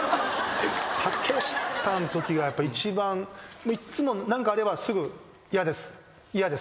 竹下んときが一番いっつも何かあればすぐ「嫌です嫌です」